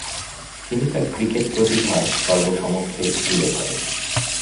তিনি তার ক্রিকেট প্রতিভা সর্বসমক্ষে তুলে ধরেন।